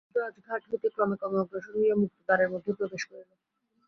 শিঞ্জিত শব্দ আজ ঘাট হইতে ক্রমে ক্রমে অগ্রসর হইয়া মুক্ত দ্বারের মধ্যে প্রবেশ করিল।